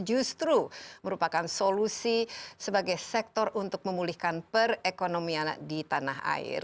justru merupakan solusi sebagai sektor untuk memulihkan perekonomian di tanah air